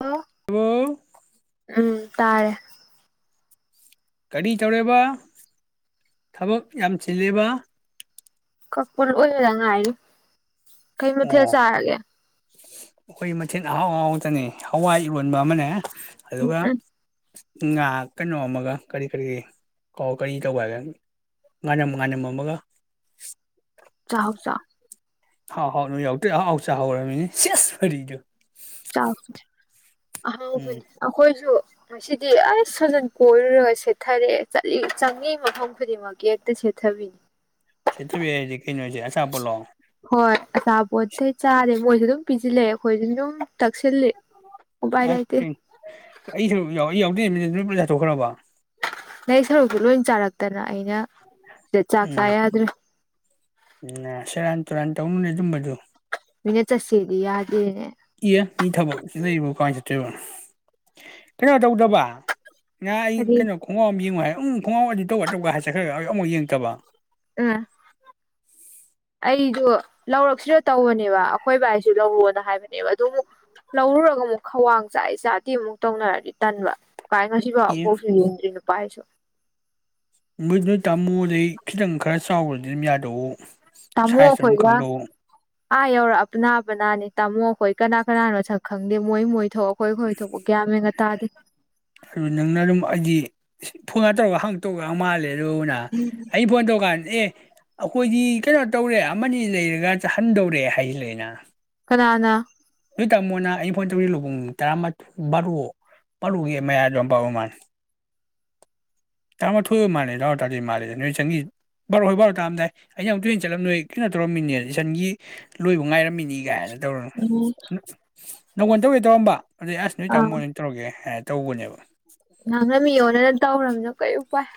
hello hello ꯎꯝ ꯇꯥꯔꯦ ꯀꯥꯔꯤ ꯇꯧꯔꯦꯕ ꯊꯕꯛ ꯌꯥꯝ ꯆꯤꯜꯂꯦꯕ ꯀꯛꯄ꯭ꯔꯥ ꯑꯣꯏꯔ ꯉꯥꯏꯔꯤ ꯀꯩ ꯃꯊꯦꯜ ꯑꯣ ꯆꯥꯔꯒꯦ ꯑꯩꯈꯣꯏ ꯃꯊꯦꯜ ꯑꯍꯥꯎ ꯑꯍꯥꯎꯕ ꯆꯥꯟꯅꯩ ꯍꯋꯥꯏ ꯏꯔꯣꯟꯕ ꯑꯃꯅꯦ ꯎꯝ ꯑꯗꯨꯒ ꯎꯝ ꯉꯥ ꯀꯩꯅꯣ ꯑꯃꯒ ꯀꯔꯤ ꯀꯔꯤ ꯀꯣ ꯀꯔꯤ ꯇꯧꯕ ꯍꯥꯏꯕ ꯉꯥꯅꯝ ꯉꯥꯅꯝ ꯑꯃꯒ ꯆꯍꯥꯎ ꯆꯥꯎ ꯍꯥꯎ ꯍꯥꯎ ꯅꯣꯏ ꯌꯥꯎꯇ ꯑꯖꯥꯎ ꯑꯍꯥꯎ ꯆꯥꯍꯩꯔꯦ ꯁꯤꯌꯦꯁ ꯋꯥꯔꯤꯗꯣ ꯆꯥꯎ ꯆꯥꯎ ꯎꯝ ꯑꯍꯥꯎꯕꯅꯤ ꯑꯈꯣꯏꯁꯨ ꯉꯁꯤꯗꯤ ꯑꯁ ꯁꯖꯟ ꯀꯣꯏꯔꯨꯔꯒ ꯁꯦꯠꯊꯔꯦ ꯆꯠꯂꯤ ꯆꯪꯉꯤ ꯃꯐꯝ ꯈꯨꯗꯤꯡꯒꯤꯃꯛ ꯒꯦꯠꯇ ꯁꯦꯠꯊꯕꯤꯅꯤ ꯁꯦꯟꯊꯔꯤ ꯍꯥꯏꯖꯦ ꯀꯩꯅꯣ ꯍꯥꯏꯖꯦ ꯑꯆꯥꯄꯣꯠꯂꯣ ꯍꯣꯏ ꯑꯆꯥꯄꯣꯠꯇ ꯆꯥꯔꯦ ꯃꯣꯏꯁꯨ ꯑꯗꯨꯝ ꯄꯤꯁꯤꯜꯂꯛꯑꯦ ꯑꯈꯣꯏ ꯗꯨꯝ ꯇꯛꯁꯤꯜꯂꯦ ꯎꯕꯥꯏ ꯑꯦ ꯂꯩꯇꯧ ꯑꯩꯁꯨ ꯑꯩ ꯌꯥꯎꯗꯦ ꯅꯨꯃꯤꯠ ꯂ ꯄꯨꯥꯊꯣꯛꯈ꯭ꯔꯕ [unintelligible] ꯑꯗꯨ ꯂꯣꯏ ꯆꯥꯔꯛꯇꯅ ꯑꯩꯅ ꯁꯤꯗ ꯆꯥꯛ ꯆꯥ ꯎꯝ ꯌꯥꯗ꯭ꯔꯦ ꯅ ꯁꯦꯔꯥꯟ ꯇꯨꯔꯥꯟ ꯇꯧꯅꯨꯅꯦ ꯑꯗꯨꯝꯕꯗꯨ ꯃꯤꯅꯥ ꯆꯠꯁꯤꯗꯤ ꯌꯥꯗꯦꯅꯦ ꯏꯑꯦ ꯃꯤ ꯊꯕꯛꯁꯨ ꯂꯩꯕꯣ ꯀꯥꯏ ꯆꯠꯇꯣꯏꯕ ꯀꯌꯥ ꯇꯧꯗꯕ ꯉꯥ ꯑꯩ ꯀꯔꯤ ꯀꯩꯅꯣ ꯈꯣꯡꯚꯥꯎ ꯑꯃ ꯌꯦꯡꯉꯨ ꯍꯥꯏ ꯑꯪ ꯈꯣꯡꯚꯥꯎ ꯑꯅꯤꯇꯧꯒ ꯇꯧꯒ ꯍꯥꯏ ꯆꯠꯈ꯭ꯔꯒ ꯑꯃꯕ ꯌꯦꯡꯉꯛꯇꯕ [inaudible] ꯑꯥ ꯑꯩꯗꯣ ꯂꯧꯔꯛꯁꯤꯔ ꯇꯧꯕꯅꯦꯕ ꯑꯩꯈꯣꯏ ꯕꯥꯏꯁꯨ ꯂꯧꯑꯣꯅ ꯍꯥꯏꯕꯅꯦꯕ ꯑꯗꯨ ꯑꯃꯨꯛ ꯂꯧꯔꯨꯔꯒ ꯑꯃꯨꯛ ꯈ꯭ꯋꯥꯡ ꯆꯥꯏ ꯆꯥꯗꯦ ꯑꯃꯨꯛ ꯇꯧꯅꯔꯗꯤ ꯇꯟꯕ ꯑꯦ [unintelligible] ꯃꯣꯏꯗ ꯇꯥꯃꯣꯗꯩ ꯈꯤꯇꯪ ꯈꯔ ꯆꯥꯎꯕꯗꯤ ꯑꯗꯨꯝ ꯌꯥꯗꯧ ꯇꯥꯃꯣ ꯁꯥꯏ ꯑꯗꯨꯝ ꯑꯩꯈꯣꯏꯒ ꯈꯪꯗꯣꯛꯎ ꯑꯥ ꯌꯧꯔꯛ ꯑꯄꯅ ꯑꯄꯅ ꯅꯦ ꯇꯥꯃꯣ ꯑꯩꯈꯣꯏ ꯀꯅꯥ ꯀꯅꯥꯅꯣ ꯁꯛ ꯈꯪꯗꯦ ꯃꯣꯏ ꯃꯣꯏ ꯊꯣꯛ ꯑꯩꯈꯣꯏ ꯑꯩꯈꯣꯏ ꯊꯣꯛꯄ ꯒ꯭ꯌꯥꯟꯃꯦꯟꯒ ꯇꯥꯗꯦ ꯑꯗꯨ ꯅꯪꯅ ꯑꯗꯨꯝ ꯑꯩꯗꯤ ꯐꯣꯟꯒ ꯇꯧꯔꯒ ꯍꯪꯉꯛꯇꯧꯒ ꯃꯥꯜꯂꯦ ꯗꯨꯅ ꯑꯩ ꯐꯣꯟ ꯇꯧꯀꯥꯟ ꯑꯦ ꯑꯩꯈꯣꯏꯗꯤ ꯀꯩꯅꯣ ꯇꯧꯔꯦ ꯑꯃꯅꯤ ꯂꯩꯔꯒ ꯆꯥꯍꯟꯗꯧꯔꯦ ꯍꯩꯂꯩꯅ ꯀꯅꯥꯅ ꯅꯣꯢ ꯇꯥꯃꯣꯅ ꯑꯩꯩ ꯐꯣꯟ ꯇꯧꯔꯦ ꯂꯨꯍꯣꯡ ꯄꯨꯡ ꯇꯔꯥꯃꯊꯣꯏ ꯕꯥꯔꯣ ꯕꯥꯔꯨꯒꯤ ꯃꯌꯥꯗ ꯑꯣꯏꯔꯝꯕ ꯃꯥꯜꯂꯦ ꯇꯥꯃꯥꯊꯣꯏ ꯑꯣꯏꯕ ꯃꯥꯂꯦ ꯑꯗꯨ ꯇꯥꯗꯣꯏ ꯃꯥꯜꯂꯦꯗ ꯅꯣꯏ ꯏꯆꯜꯒꯤ ꯕꯥꯔꯣꯈꯥꯏ ꯕꯔꯣꯇꯔꯝꯗꯥꯏ ꯑꯩꯅ ꯑꯃꯨꯛ ꯆꯠꯂꯝꯗꯥꯏ ꯅꯣꯏ ꯀꯩꯅꯣ ꯇꯧꯔꯝꯃꯤꯅꯦ ꯏꯆꯟꯒꯤ ꯂꯣꯏꯕ ꯉꯥꯏꯔꯝꯃꯤꯅꯦ ꯀꯥꯏꯅ ꯗꯧ ꯎꯝ ꯅꯪꯉꯣꯟꯗꯧ ꯑꯣꯏ ꯇꯧꯔꯝꯕ ꯑꯗꯩ ꯑꯁ ꯅꯣꯏ ꯇꯥꯃꯣ ꯑꯥ ꯑꯗꯨ ꯇꯧꯔꯒꯦ ꯍꯥꯏ ꯇꯧꯕꯅꯦꯕ ꯅꯪꯅ ꯃꯤ ꯑꯣꯟꯅꯅ ꯇꯧꯔꯕꯅꯤꯅ ꯀꯩ ꯎꯄꯥꯏ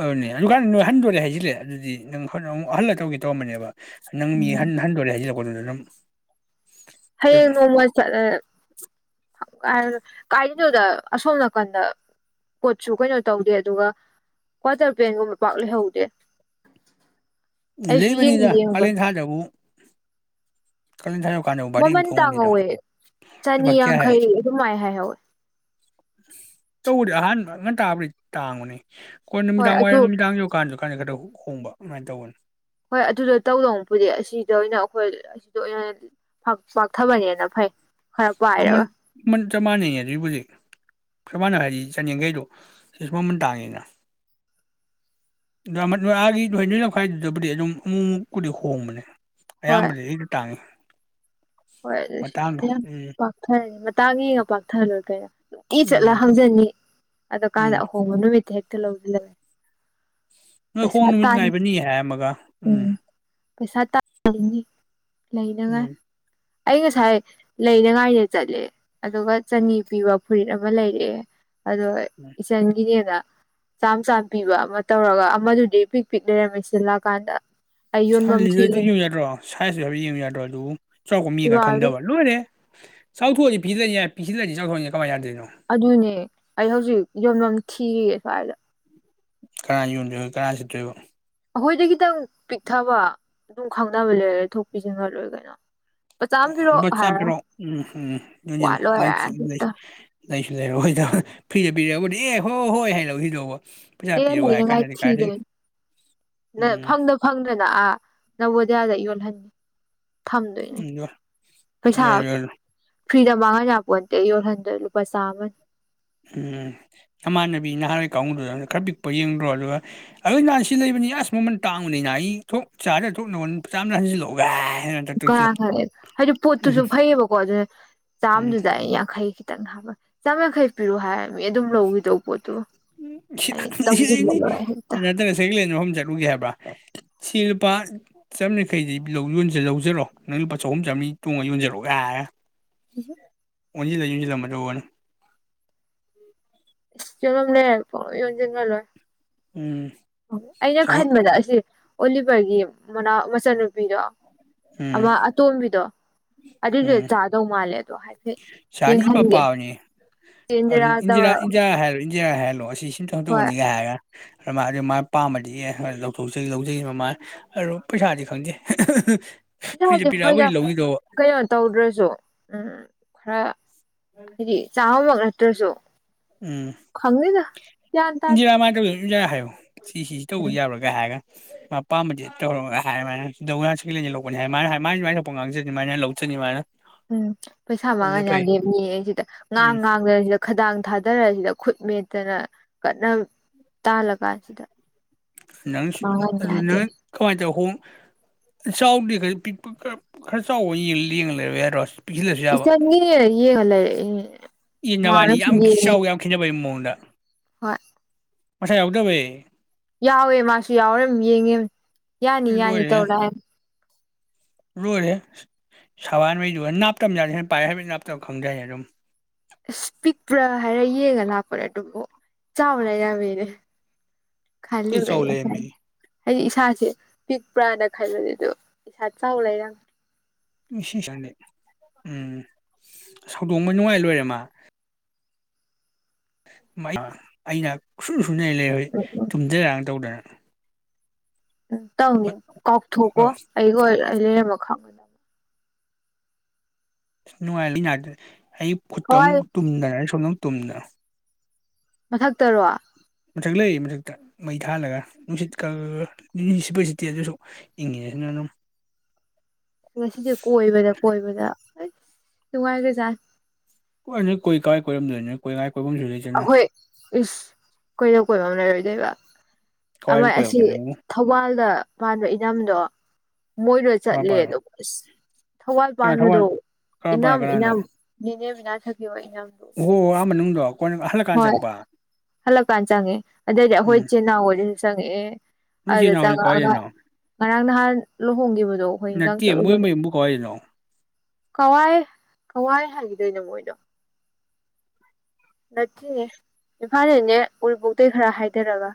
ꯑꯗꯨꯅꯦ ꯑꯗꯨꯀꯥꯟꯗ ꯅꯣꯏ ꯍꯟꯗꯣꯔꯦ ꯍꯥꯏꯁꯤꯜꯂꯦ ꯑꯗꯨꯗꯤ ꯅꯪ ꯑꯃꯨꯛ ꯍꯜꯂꯒ ꯇꯔꯛꯀꯦ ꯇꯧꯔꯝꯕꯅꯦꯕ ꯅꯪ ꯃꯤ ꯎꯝ ꯍꯟ ꯍꯟꯗꯣꯔꯦ ꯍꯥꯏꯖꯤꯜꯂꯛ ꯑꯣꯅꯔꯦꯔꯝ ꯍꯌꯦꯡ ꯅꯣꯡꯃꯥꯢ ꯆꯠꯂꯦ ꯀꯥꯏꯗꯩꯅꯣ ꯀꯥꯏꯗꯅꯣꯗ ꯑꯁꯣꯝ ꯅꯥꯀꯟꯗ ꯄꯣꯠꯁꯨ ꯀꯩꯅꯣ ꯇꯧꯗꯦ ꯑꯗꯨꯒ ꯀ꯭ꯋꯥꯇꯔ ꯄꯦꯟꯒꯨꯝꯕ ꯄꯥꯛ ꯂꯩꯍꯧꯗꯦ ꯑꯩꯁꯨ ꯂꯤꯕꯅꯤꯗ ꯌꯦꯡꯗꯤ ꯀꯂꯦꯟ ꯌꯦꯡꯉꯨꯕꯅꯤ ꯊꯥꯗꯕꯨ ꯀꯥꯂꯦꯟ ꯊꯥ ꯌꯧꯀꯥꯟꯗꯕꯨ ꯚꯥꯔꯤ ꯑꯃ ꯃꯃꯟ ꯊꯣꯡꯉꯅꯤꯗ ꯇꯥꯡꯍꯧꯋꯦ ꯂꯨꯄꯥ ꯀꯌꯥ ꯍꯥꯏ ꯆꯅꯤꯌꯥꯡꯈꯩ ꯑꯗꯨꯃꯥꯏꯅ ꯍꯥꯏꯍꯧꯋꯦ ꯇꯧꯕꯗꯤ ꯑꯍꯥꯟꯕ ꯉꯟꯇꯥꯕꯨꯗꯤ ꯇꯥꯡꯕꯅꯤ ꯀꯣꯟꯅ ꯍꯣꯏ ꯑꯗꯨ ꯅꯨꯃꯤꯗꯥꯡꯋꯥꯏꯔꯝ ꯅꯨꯃꯤꯗꯥꯡ ꯌꯧꯀꯥꯟꯗ ꯗꯨꯀꯥꯟ ꯈꯔꯗꯤ ꯇꯧ ꯍꯣꯡꯕ ꯑꯗꯨꯃꯥꯏꯅ ꯇꯧꯕꯅꯤ ꯍꯣꯏ ꯑꯗꯨꯗ ꯇꯧꯗꯧꯄꯨꯗꯤ ꯑꯁꯤꯗ ꯑꯣꯏꯅ ꯑꯩꯈꯣꯏ ꯑꯁꯤꯗ ꯑꯣꯏꯅ ꯐꯥꯛ ꯄꯥꯛꯊꯕꯅꯍꯦꯟꯅ ꯐꯩ ꯈꯔ ꯃꯃꯟ ꯄꯥꯏꯔꯒ ꯃꯃꯟ ꯆꯞ ꯃꯥꯟꯅꯩꯌꯦ ꯑꯗꯨꯏꯕꯨꯗꯤ ꯁꯨꯃꯥꯏꯅ ꯍꯥꯏꯗꯤ ꯆꯅꯤꯌꯥꯡꯈꯩꯗꯣ ꯁꯤꯁꯨ ꯃꯃꯟ ꯇꯥꯡꯉꯦꯅ ꯗ ꯑꯃꯗꯣ ꯑꯥꯒꯤ ꯍꯣꯏꯗꯣꯏ ꯅ ꯈꯋꯥꯏꯗꯨꯗꯕꯨꯗꯤ ꯑꯗꯨꯝ ꯑꯃꯨꯛꯃꯨꯛꯀꯨꯗꯤ ꯍꯣꯡꯕꯅꯦ ꯍꯣꯏ ꯑꯌꯥꯝꯕꯗꯤ ꯁꯤꯗꯤ ꯇꯥꯡꯉꯤ ꯍꯣꯏ ꯑꯗꯨ ꯁꯤꯗ ꯃꯇꯥꯡꯗꯣ ꯑꯣꯏꯅ ꯎꯝ ꯄꯥꯛꯊꯔꯅꯤ ꯃꯇꯥꯡ ꯌꯦꯡꯉꯒ ꯊꯥꯂꯣꯟ ꯀꯌꯥ ꯇꯤ ꯆꯠꯂ ꯎꯝ ꯍꯪꯖꯅꯤ ꯑꯗꯨ ꯀꯥꯟꯗ ꯎꯝ ꯑꯍꯣꯡꯕ ꯅꯨꯃꯤꯠꯇ ꯍꯦꯛ ꯍꯦꯛꯇꯥ ꯂꯧꯖꯤꯂꯒꯦ ꯅꯣꯏ ꯍꯣꯡ ꯅꯨꯃꯤꯠ ꯉꯥꯏꯕꯅꯤ ꯍꯥꯏꯔꯝꯃꯒ ꯎꯝ ꯄꯩꯁꯥ ꯇꯥꯅ ꯅꯤ ꯂꯩꯅꯉꯥꯏ ꯎꯝ ꯑꯩ ꯉꯁꯥꯏ ꯂꯩꯅꯉꯥꯏꯗ ꯆꯠꯂꯦ ꯑꯗꯨꯒ ꯆꯅꯤ ꯄꯤꯕ ꯐꯨꯔꯤꯠ ꯑꯃ ꯂꯩꯔꯛꯑꯦ ꯑꯗꯣ ꯎꯝ ꯏꯆꯟꯒꯤꯅꯦꯅ ꯆꯥꯝ ꯆꯥꯝ ꯄꯤꯕ ꯑꯃ ꯇꯧꯔꯒ ꯑꯃꯗꯨꯗꯤ ꯄꯤꯛ ꯄꯤꯛ ꯂꯩꯔꯝꯃꯦ ꯁꯤꯗꯂꯥꯛꯀꯥꯟꯗ ꯑꯗꯨ ꯌꯦꯡꯉꯨ ꯌꯥꯗ꯭ꯔꯣ ꯁꯥꯏꯖꯁꯨ ꯍꯥꯏꯐꯦꯠ ꯌꯦꯡꯉꯨ ꯌꯥꯗ꯭ꯔꯣ ꯑꯗꯨꯕꯨ ꯆꯥꯎꯕ ꯃꯤꯅ ꯏꯕꯥꯜꯂꯦ ꯈꯪꯗꯕ ꯂꯣꯏꯔꯦꯍꯦ ꯆꯥꯎꯊꯣꯛꯑꯗꯤ ꯄꯤꯛꯁꯍꯜ ꯌꯥꯏ ꯄꯤꯛꯁꯤꯜꯗꯤ ꯆꯥꯎꯊꯣꯛꯍꯜꯒꯦ ꯀꯃꯥꯏ ꯌꯗꯣꯏꯅꯣ ꯑꯗꯨꯅꯦ ꯑꯩ ꯍꯧꯖꯤꯛ ꯌꯣ ꯌꯥꯝ ꯊꯤꯔꯤꯌꯦ ꯁ꯭ꯋꯥꯏꯗ ꯀꯔꯥꯏ ꯌꯣꯟꯗꯣꯏꯕ ꯀꯔꯥꯏ ꯁꯤꯠꯇꯣꯏꯕ ꯑꯈꯣꯏꯗꯒꯈꯤ ꯇꯧ ꯄꯤꯛꯊꯕ ꯑꯗꯨꯝ ꯈꯪꯅꯕ ꯂꯩꯔꯦ ꯊꯣꯛꯄꯤꯁꯤꯟꯒꯂꯣꯏꯔꯦ ꯀꯩꯅꯣ ꯃꯆꯥ ꯑꯃ ꯑꯣ ꯂꯨꯄ ꯄꯤꯔꯛꯑꯣ ꯆꯥꯝꯄ ꯍꯥꯏꯔ ꯄꯤꯔꯛ ꯑꯣ ꯎꯝ ꯍꯨꯝ ꯅꯣꯏ ꯋꯥꯠꯂꯣ ꯅꯤ ꯆꯦꯟ ꯍꯥꯏꯔꯛꯑꯅꯤ ꯂꯩ ꯂꯩꯁꯨ ꯂꯩꯔꯣꯑꯣꯗ ꯐ꯭ꯔꯤꯗ ꯄꯤꯔꯑꯕꯨꯗꯤ ꯑꯦ ꯍꯣꯏ ꯍꯣꯏ ꯍꯥꯏꯔ ꯂꯧꯒꯤꯗꯧꯕ ꯑꯦ ꯂꯩꯅꯉꯥꯏ ꯊꯤꯗꯣꯏꯅꯤ ꯎꯝ ꯐꯪꯗ ꯐꯪꯗꯒ ꯑꯥ ꯅꯥꯉꯣꯟꯗ ꯍꯟꯅꯥ ꯌꯣꯠ ꯃꯟꯅꯤ ꯊꯝꯗꯣꯏꯅꯦ ꯌꯣ ꯄꯩꯁꯥ ꯌꯣꯜꯂꯨ ꯌꯣꯜꯂꯨ ꯐ꯭ꯔꯤꯗ ꯃꯥꯡꯍꯜ ꯌꯥꯄꯣꯟꯇꯦ ꯌꯣꯜꯍꯟꯗꯣꯏ ꯂꯨꯄꯥ ꯆꯥꯝꯃꯅꯤ ꯎꯝ ꯁꯃꯥꯟꯅꯕꯤ ꯅꯍꯥꯋꯥꯏ ꯀꯥꯡꯒꯕꯨꯗꯨꯗꯅ ꯈꯔ ꯄꯤꯛꯄ ꯌꯦꯡꯗ꯭ꯔꯣ ꯑꯗꯨꯒ ꯑꯩ ꯅꯍꯥꯟ ꯁꯤ ꯂꯩꯕꯅꯤ ꯑꯁ ꯃꯃꯟ ꯇꯥꯡꯕꯅꯤꯅ ꯑꯩ ꯊꯣꯛ ꯆꯥꯗꯔ ꯊꯣꯛ ꯅꯉꯣꯜ ꯆꯥꯝꯗ ꯍꯟꯖꯤꯜꯂꯛꯑꯣꯒ ꯀꯅꯥ ꯈꯪꯅꯤ ꯍꯥꯏꯗꯤ ꯄꯣꯠꯇꯨꯁꯨ ꯐꯩꯌꯦꯕꯀꯣ ꯑꯗꯨꯅ ꯎꯝ ꯆꯥꯝꯗꯨꯗ ꯌꯥꯡꯈꯩ ꯈꯤꯇꯪ ꯍꯥꯏꯕ ꯆꯥꯝꯃꯌꯈꯩ ꯄꯤꯔꯣ ꯍꯥꯏꯔꯃꯤ ꯑꯗꯨꯝ ꯂꯧꯈꯤꯗꯧꯕ ꯄꯣꯠꯇꯣ ꯎꯝ ꯍꯤ ꯍꯦꯛꯇ ꯍꯤ [unintelligible] ꯁꯤ ꯂꯨꯄꯥ ꯆꯥꯝꯔꯤꯖꯪꯈꯩꯗꯤ ꯂꯧꯖꯔꯣ ꯅꯪ ꯂꯨꯄꯥ ꯆꯍꯨꯝ ꯆꯥꯝꯃꯔꯤ ꯇꯣꯡꯉꯒ ꯌꯣꯟꯖꯔꯣ ꯒꯥꯏꯅ ꯎꯝ ꯍꯨꯝ ꯑꯣꯟꯁꯤꯜꯂꯛꯏꯗꯅ ꯃꯗꯨꯒꯤ ꯋꯥꯅꯤ ꯌꯦꯔꯨꯝ ꯂꯩꯔꯛꯄ꯭ꯔꯣ ꯌꯣꯟꯖꯟ ꯅꯥꯔꯣꯏ ꯎꯝ ꯑꯩꯅ ꯁꯒꯣꯜ ꯈꯟꯕꯗ ꯑꯁꯤ ꯑꯣꯂꯤꯚꯔꯒꯤ ꯃꯅꯥ ꯃꯆꯟꯅꯨꯄꯤꯗꯣ ꯎꯝ ꯑꯃ ꯑꯇꯣꯝꯕꯤꯗꯣ ꯑꯗꯨꯗꯣ ꯇꯥꯗꯣꯏ ꯃꯥꯟꯂꯦ [unintelligible] ꯁꯥꯅꯤ ꯄꯥ ꯄꯥꯕꯅꯦ ꯑꯗꯨ ꯆꯦꯟꯖꯤꯔꯥ ꯏꯟꯗꯤꯔ ꯇꯧꯔꯒ ꯏꯟꯗꯤꯔ ꯍꯥꯏꯔ ꯍꯣꯏ [unintelligible] [unintelligible] ꯃꯥꯥꯏ ꯄꯥꯝꯕꯗꯤ ꯂꯧꯊꯣꯛꯆꯩ ꯂꯧꯖꯩ ꯃꯃꯥꯏ ꯑꯗꯨ ꯄꯩꯁꯥꯗꯤ ꯈꯪꯗꯦ ꯐ꯭ꯔꯤꯗ ꯄꯤꯔꯛꯑꯕꯨꯗꯤ [unintelligible] ꯂꯧꯈꯤꯗꯧꯕ ꯎꯝ ꯈꯔ [unintelligible] ꯅꯠꯇꯔꯁꯨ ꯇꯥꯗꯦ [unintelligible] ꯁꯤꯁꯤꯁꯤ ꯎꯝ ꯇꯧꯕ ꯌꯥꯕ꯭ꯔꯥꯒ ꯍꯥꯏꯔꯒ [unintelligible] ꯎꯝ ꯄꯩꯁꯥ ꯑꯗꯨꯅ ꯃꯥꯡꯍꯟ ꯐꯩ ꯌꯥꯗꯦ ꯃꯤ ꯑꯩ ꯁꯤꯗ ꯎꯝ ꯉꯥꯡ ꯉꯥꯡꯗꯅ ꯁꯤꯗ ꯈꯗꯥꯡ ꯊꯥ ꯊꯔꯁꯤꯗ ꯈꯨꯠ ꯃꯦꯠꯇꯅ ꯀꯠꯅꯝ ꯇꯥꯜꯂꯀꯥꯟꯁꯤꯗ ꯅꯪ ꯃꯥꯡꯍꯟ ꯌꯥꯗꯦ ꯀꯃꯥ ꯇꯧ ꯍꯣꯡ ꯆꯥꯎꯗꯦ ꯈꯔ ꯄꯤꯛꯄ ꯈꯔ ꯈꯔ ꯆꯥꯎꯕ ꯌꯦꯡ ꯂꯩꯔꯑꯣ ꯌꯥꯗꯔꯣ [unintelligible] ꯏ ꯅꯕꯥꯅꯤ ꯃꯥꯅꯁꯨ ꯌꯥꯝ ꯌꯦꯡꯉꯦ ꯆꯥꯎ ꯌꯥꯝ ꯈꯦꯠꯅꯕ [unintelligible] ꯍꯣꯏ [unintelligible] ꯌꯥꯎꯋꯦ ꯃꯥꯁꯨ ꯌꯥꯎꯔ ꯌꯦꯡꯒꯤꯝꯅꯦ ꯌꯥꯅꯤ ꯌꯥꯅꯤ ꯂꯣꯏꯔꯦꯍꯦ ꯇꯧꯔ ꯂꯥꯛꯑꯦ [unintelligible] ꯏꯁ ꯄꯤꯛꯄ꯭ꯔꯥ ꯍꯥꯏꯔ ꯌꯦꯡꯉ ꯂꯥꯛꯄꯅꯦ ꯑꯗꯨꯕꯨ ꯆꯥꯎꯔ ꯂꯩꯔꯝꯃꯦꯅꯦ ꯊꯤ ꯆꯥꯎ ꯂꯩꯔꯝꯃꯤ [unintelligible] ꯑꯩ ꯏꯁꯥꯁꯦ ꯄꯤꯛꯄ꯭ꯔꯥꯅ ꯈꯟꯕꯅꯦ ꯗꯨꯕꯨ ꯏꯁꯥ ꯆꯥꯎ ꯂꯩꯔꯝ [unintelligible] [unintelligible] ꯎꯝ ꯎꯝ [unintelligible] ꯎꯝ ꯇꯧꯅꯤ ꯀꯥꯎꯊꯣꯛꯀꯣ ꯑꯩꯒ ꯑꯣꯏ ꯑꯩ ꯂꯩꯔꯝꯃ [inaudible] ꯍꯣꯏ [unintelligible] [unintelligible] ꯇꯨꯝꯅ ꯃꯊꯛꯇꯔꯣ ꯃꯊꯛ ꯂꯩꯌꯦ ꯃꯊꯛꯇ ꯃꯩ ꯊꯥꯜꯂꯒ ꯅꯨꯡꯁꯤꯠ ꯀꯀ [unintelligible] ꯉꯁꯤꯖꯦ ꯀꯣꯏꯕꯗ ꯀꯣꯏꯕꯗ ꯍꯩ ꯅꯨꯡꯉꯥꯏꯒꯖꯥꯠꯅꯤ [unintelligible] ꯂꯩꯇꯅ ꯑꯈꯣꯏ ꯏꯁ ꯀꯣꯏꯅ ꯀꯣꯏꯕꯝ ꯂꯩꯔꯣꯏꯗꯣꯏꯕ ꯑꯃ ꯀꯋꯥꯏꯕꯨ ꯑꯁꯤ ꯀꯣꯏꯔꯛꯄꯅꯣ ꯊꯧꯕꯥꯜꯗ ꯃꯥꯗꯣ ꯏꯅꯝꯗꯣ ꯃꯣꯏꯗ ꯆꯠꯂꯦ ꯊꯋꯥꯟꯄꯥꯏꯔꯣ ꯗꯨꯒ ꯊꯧꯕꯥꯜ ꯀꯅꯥ ꯊꯋꯥꯟ ꯄꯥꯟꯕꯗꯣ ꯀꯔꯝꯄꯥꯏ ꯏꯅꯝ ꯏꯅꯝ ꯅꯦꯅꯦ [unintelligible] ꯑꯣꯥꯍꯣ ꯑꯑ ꯃꯅꯨꯡꯗꯣ ꯀꯣꯟꯅ ꯍꯜꯂꯛ ꯍꯣꯏ ꯍꯜꯂꯛꯀꯥꯟꯗ ꯆꯪꯉꯦ ꯑꯗꯩꯗꯤ ꯍꯣꯏ ꯎꯝ ꯆꯦꯅꯥꯎꯍꯣꯏ ꯎꯝ ꯆꯪꯉꯛꯑꯦ ꯅꯣꯏ ꯏꯆꯤꯟ ꯑꯗ ꯏꯅꯥꯎꯗꯤ ꯆꯉꯛꯑꯒ ꯀꯋꯥꯏꯗꯩꯅꯣ ꯅꯔꯥꯡ ꯅꯍꯥꯟ ꯂꯣꯍꯣꯡꯒꯤꯕꯗꯨꯅ ꯅꯠꯇꯦ ꯃꯣꯏ ꯃꯌꯨꯝꯕꯨ ꯀꯋꯥꯏꯗꯅꯣ ꯀꯋꯥꯏ ꯀꯋꯥꯏ ꯍꯥꯏꯒꯤꯗꯣꯏꯅꯣ ꯃꯣꯏꯗꯣ ꯅꯠꯇꯦꯅꯦ ꯏꯝꯐꯥꯜꯗꯒꯤꯅꯦ ꯎꯔꯤꯄꯣꯛꯇꯩ ꯈꯔ ꯍꯥꯏꯗꯔꯒ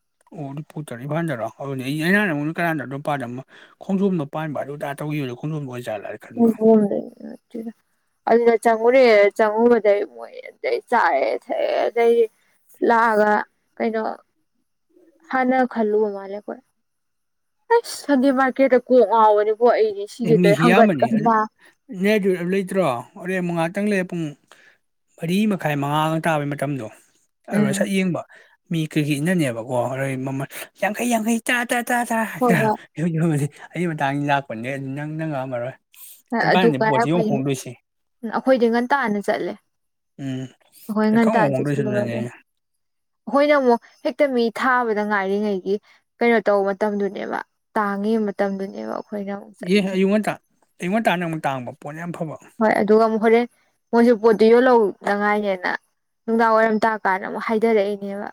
[unintelligible] ꯈꯣꯡꯖꯣꯝꯗ ꯄꯥꯟꯕ ꯑꯗꯨ ꯇꯥ ꯇꯧꯒꯤꯕꯗꯣ ꯈꯣꯡꯖꯣꯝꯗ ꯑꯣꯏꯖꯥꯠꯂꯣ [unintelligible] ꯑꯗꯨꯗ ꯆꯪꯉꯨꯔꯦ ꯆꯪꯉꯨꯕꯗꯩ ꯃꯣꯏ ꯑꯗꯩ ꯆꯥꯔꯦ ꯊꯛꯑꯦ ꯑꯗꯩꯗꯤ ꯂꯥꯛꯑꯒ ꯀꯩꯅꯣ ꯍꯥꯟꯅ ꯈꯜꯂꯨꯕ ꯃꯥꯜꯂꯦ ꯈꯣꯏ ꯑꯁ ꯁꯟꯗꯦ ꯃꯥꯔꯀꯦꯠꯇ ꯀꯣꯛ ꯉꯥꯎꯕꯅꯦ ꯃꯤꯁꯤ ꯌꯥꯝꯕꯅꯤ ꯑꯗꯨ ꯅꯦꯗꯨ ꯂꯩꯇ꯭ꯔꯣ ꯍꯣꯔꯦꯟ ꯃꯉꯥ ꯇꯪ ꯂꯩꯔ ꯄꯨꯡ ꯃꯔꯤ ꯃꯈꯥꯏ ꯃꯉꯥꯒ ꯇꯥꯕꯩ ꯃꯇꯝꯗꯣ ꯑꯔꯨꯔ ꯎꯝ ꯁꯛ ꯌꯦꯡꯕ ꯃꯤ ꯀꯩꯒꯩ ꯏꯅꯅꯦꯕꯀꯣ ꯍꯣꯔꯦꯜ ꯃꯃꯜ ꯌꯥꯡꯈꯩ ꯌꯥꯡꯈꯩ ꯆꯥ ꯇ ꯇ ꯇ ꯍꯣꯏ ꯍꯣꯏ ꯑꯩꯒꯤ ꯃꯇꯥꯡ ꯂꯥꯛ ꯄꯨꯟꯖꯦ ꯅꯪ ꯅꯪ ꯉꯛꯝꯃꯔꯣꯏ ꯑꯗꯨꯒ ꯑꯩꯈꯣꯏ ꯑꯩꯈꯣꯏꯗꯤ ꯉꯟꯇꯥꯅ ꯆꯠꯂꯦ ꯎꯝ ꯑꯩꯈꯣꯏ ꯀꯥꯡ ꯉꯟꯇꯥꯅ ꯆꯠꯁꯤꯜꯂꯧꯔꯒ ꯍꯣꯡꯗꯣꯏꯁꯤꯗꯅꯦ ꯑꯩꯈꯣꯏꯅ ꯑꯃꯨꯛ ꯍꯦꯛ ꯍꯦꯛꯇ ꯃꯤ ꯊꯥꯕꯗ ꯉꯥꯏꯔꯤꯉꯩꯒꯤ ꯀꯩꯅꯣ ꯇꯧꯕ ꯃꯇꯝꯗꯨꯅꯦꯕ ꯇꯥꯡꯉꯤꯕ ꯃꯇꯝꯗꯨꯅꯦꯕ ꯑꯩꯈꯣꯏꯅ ꯑꯃꯨꯛ ꯑꯦ ꯆꯠꯂꯤꯁꯦ ꯑꯌꯨꯛ ꯉꯟꯇꯥ ꯑꯌꯨꯛ ꯉꯟꯇꯥꯅ ꯑꯃꯨꯛ ꯇꯥꯡꯕ ꯄꯣꯠꯅꯦ ꯌꯥꯝ ꯐ ꯍꯣꯏ ꯑꯗꯨꯒ ꯑꯃꯨꯛ ꯍꯣꯔꯦꯟ ꯃꯣꯏꯁꯨ ꯄꯣꯠꯇꯨ ꯌꯣꯜꯍꯧꯅꯉꯥꯏꯅꯦꯅ ꯅꯨꯡꯗꯥꯡ ꯋꯥꯏꯔꯝ ꯇꯥꯀꯥꯟꯗ ꯑꯃꯨꯛ ꯍꯥꯏꯗꯔꯛꯏꯅꯦꯕ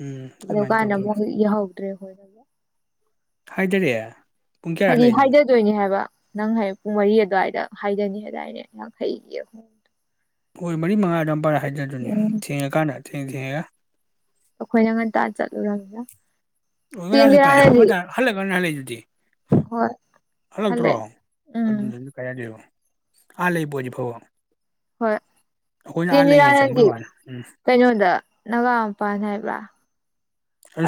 ꯎꯝ ꯑꯗꯨ ꯑꯗꯨꯃꯥꯏꯅ ꯀꯥꯟꯗ ꯇꯧꯗꯣꯏꯅꯤ ꯑꯃꯨꯛ ꯌꯥꯍꯧꯗ꯭ꯔꯦ ꯑꯩꯈꯣꯏꯗꯣ [inaudible] ꯍꯥꯏꯗꯔꯦ ꯍꯥꯏꯗꯤ ꯍꯥꯏꯗꯗꯣꯏꯅꯦ ꯍꯥꯏꯕ ꯅꯪ ꯍꯌꯦꯡ ꯄꯨꯡ ꯃꯔꯤ ꯑꯗꯨꯋꯥꯏꯗ ꯍꯥꯏꯗꯅꯤ ꯍꯥꯏꯗꯥꯏꯅꯦ ꯌꯥꯡꯈꯩꯒꯤ ꯑꯍꯨꯝ ꯄꯣꯟ ꯃꯔꯤ ꯃꯉꯥ ꯑꯗꯨꯋꯥꯏꯝꯄꯥꯏꯗ ꯍꯥꯏꯗꯗꯨꯅꯦ ꯎꯝ ꯊꯦꯡꯉꯀꯥꯟꯗ [unintelligible] ꯑꯩꯈꯣꯏꯅ ꯉꯟꯇꯥ ꯆꯠꯂꯨꯔꯕꯅꯤꯅ [unintelligible] ꯆꯦꯟꯖꯤꯔꯥꯅꯗꯤ ꯗꯤ ꯍꯣꯏ ꯍꯜꯂꯛꯇ꯭ꯔꯣ ꯍꯜꯂꯛꯑꯦ ꯎꯝ ꯑꯗꯨꯝꯗꯗꯤ ꯀꯩ ꯍꯥꯏꯗꯣꯏꯕ ꯑꯥ ꯂꯩꯕꯣꯏꯗꯤ ꯐꯕ ꯍꯣꯏ ꯑꯩꯈꯣꯏꯅ ꯆꯦ ꯑꯥ ꯂꯩꯉꯩ ꯆꯪꯕꯩ ꯅꯤꯔꯥꯅꯗꯤ ꯋꯥꯅꯤ ꯎꯝ ꯀꯩꯅꯣꯗ ꯅꯥꯒꯥ ꯃꯄꯥꯟ ꯍꯥꯏꯕ꯭ꯔꯥ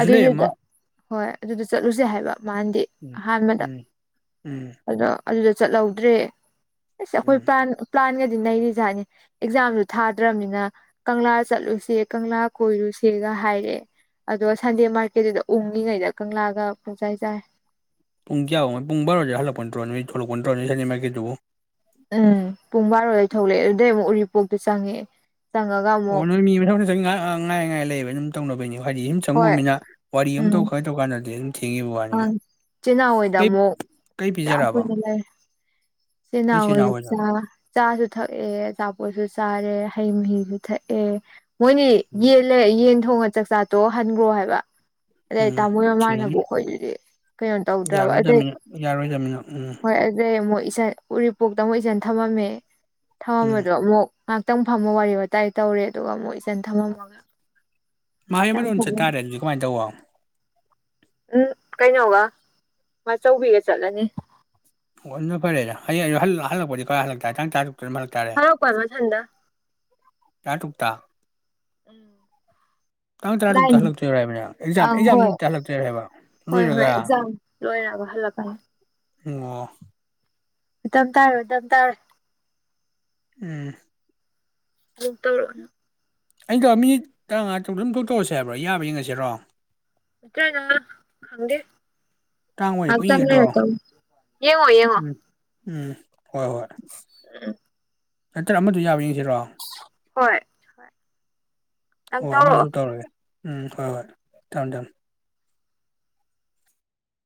ꯑꯗꯨꯏꯗꯨꯗ ꯍꯣꯏ ꯑꯗꯨꯗ ꯆꯠꯂꯨꯁꯦ ꯍꯥꯏꯕ ꯃꯥꯟꯗꯦ ꯎꯝ ꯑꯍꯥꯟꯕꯗ ꯎꯝ ꯎꯝ ꯑꯗꯣ ꯑꯗꯨꯗ ꯆꯠꯂꯧꯗ꯭ꯔꯦ ꯑꯁ ꯑꯩꯈꯣꯏ ꯎꯝ ꯄꯥꯟ ꯄꯂꯥꯟꯒꯗꯤ ꯅꯩꫪꯤꯖꯥꯠꯅꯤ ꯑꯦꯛꯖꯥꯝꯁꯨ ꯊꯥꯗ꯭ꯔꯝꯅꯤꯅ ꯀꯪꯂꯥ ꯆꯠꯂꯨꯁꯦ ꯀꯪꯂꯥ ꯀꯣꯏꯔꯨꯁꯦꯒ ꯍꯥꯏꯔꯛꯑꯦ ꯑꯗꯣ ꯁꯟꯗꯦ ꯃꯥꯔꯀꯦꯠꯇꯨꯗ ꯎꯡꯂꯤꯉꯩꯗ ꯀꯪꯂꯥꯒ ꯄꯨꯡꯆꯥꯏ ꯆꯥꯏ ꯄꯨꯡ ꯀꯌꯥꯃꯨꯛ ꯄꯨꯡ ꯕꯥꯔꯣꯗ ꯍꯜꯂꯛꯄ ꯅꯠꯇꯔꯣ ꯅꯣꯏ ꯊꯣꯛꯂꯛꯄ ꯅꯠꯇꯔꯣ ꯍꯥꯏꯗꯤ ꯃꯥꯏꯀꯩꯗꯨꯕꯨ ꯎꯝ ꯄꯨꯡ ꯕꯥꯔꯣꯗ ꯊꯣꯛꯂꯛꯑꯦ ꯑꯗꯨꯗꯩ ꯑꯃꯨꯛ ꯎꯔꯤꯄꯣꯛꯇ ꯆꯪꯉꯛꯑꯦ ꯆꯪꯉꯒ ꯑꯣ ꯑꯃꯨꯛ ꯅꯣꯏ ꯃꯤ [unintelligible] ꯑꯗꯨꯝ ꯇꯧꯅꯕꯩꯅꯤꯀꯣ ꯍꯥꯏꯗꯤ ꯁꯨꯝ ꯍꯣꯏ ꯆꯪꯉꯣꯃꯤꯅ ꯋꯥꯔꯤ ꯑꯃꯝꯇꯧ ꯈꯔ ꯇꯧ ꯀꯥꯟꯗꯗꯤꯝ ꯑ ꯆꯦ ꯅꯥꯎ ꯑꯣꯏꯗꯃꯨꯛ ꯀꯩ ꯌꯥꯝ ꯄꯤꯖꯔꯛꯑꯕ ꯀꯨꯏꯅ ꯂꯩ ꯆꯦ ꯅꯣꯏ ꯅꯥꯎ ꯆꯤꯜ ꯍꯣꯏꯗ ꯏꯅꯥꯎꯍꯣꯏꯗꯣ ꯆꯥ ꯆꯥꯁꯨ ꯊꯛꯑꯦ ꯑꯆꯥꯄꯣꯠꯁꯨ ꯆꯥꯔꯦ ꯍꯩ ꯃꯍꯤꯁꯨ ꯊꯛꯑꯦ ꯃꯣꯏꯅꯤ ꯌꯦꯂꯦ ꯌꯦꯟ ꯊꯣꯡꯉ ꯆꯥꯛꯆꯥꯠꯇꯣꯑ ꯍꯟꯒꯣ ꯍꯥꯏꯕ [unintelligible] ꯎꯝ ꯊꯦꯡꯉꯅꯤ ꯌꯥꯔꯣꯏꯗꯕꯅꯤꯅ ꯌꯥꯔꯣꯏꯗꯕꯅꯤꯅ ꯎꯝ [unintelligible] ꯎꯔꯤꯄꯣꯛꯇ ꯃꯨꯛ ꯏꯆꯟ ꯊꯝꯃꯝꯃꯦ ꯎꯝ ꯊꯝꯃꯝꯕꯗꯣ ꯑꯃꯨꯛ ꯉꯥꯏꯇꯪ ꯐꯝꯃ ꯋꯥꯔꯤ ꯋꯥꯇꯥꯏ ꯇꯧꯔꯦ ꯑꯗꯨꯒ ꯑꯃꯨꯛ ꯏꯆꯟ ꯊꯝꯃꯝꯃꯒ ꯀꯌꯥꯝ ꯐꯒꯦ [unintelligible] ꯎꯝ ꯀꯩꯅꯣꯒ ꯃꯆꯧꯕꯤꯒ ꯆꯠꯂꯅꯤ ꯑꯣ ꯑꯗꯨꯅ ꯐꯔꯦꯗ ꯍꯌꯦꯡꯌꯨꯛ ꯍꯜ ꯍꯜꯂꯛꯄꯗꯤ ꯀꯃꯥꯏ ꯍꯜꯂꯛꯇꯔꯦ ꯇꯪ ꯇꯔꯛ ꯍꯜꯂꯛꯄ ꯃꯊꯟꯇ [unintelligible] ꯇꯥꯡ ꯇꯔꯥ ꯇꯨꯛꯇ ꯂꯥꯏꯟ ꯍꯜꯂꯛꯇꯣꯏꯔꯥ ꯍꯥꯏꯕꯅꯦ ꯅꯪ ꯑꯦꯛꯖꯥꯝ ꯑꯪ ꯑꯦꯛꯖꯥꯝ ꯍꯣꯏ ꯅꯨꯃꯤꯠꯇ ꯍꯜꯂꯛꯇꯣꯏꯔꯥ ꯍꯥꯏꯕ ꯍꯣꯏ ꯍꯣꯏ ꯂꯣꯏꯔꯒ ꯑꯦꯛꯖꯥꯝ ꯂꯣꯏꯔꯒ ꯍꯜꯂꯛꯀꯅꯤ ꯎꯪꯑꯣ [unintelligible] ꯎꯝ [unintelligible] [unintelligible] ꯇꯥꯡ ꯑꯣꯏꯔꯦ ꯀꯨꯏꯒꯗ꯭ꯔꯣ ꯎꯝ [unintelligible] ꯎꯝ ꯍꯣꯏ ꯍꯣꯏ ꯎꯝ ꯅꯠꯇ꯭ꯔꯒ ꯑꯃꯗꯨ ꯌꯥꯕ꯭ꯔ ꯌꯦꯡꯁꯤꯔꯣ ꯍꯣꯏ ꯍ ꯍꯣꯏ ꯑꯃꯁꯨ ꯇꯧꯔꯑꯦ ꯎꯝ ꯍꯣꯏ ꯍꯣꯏ ꯊꯝ ꯊꯝ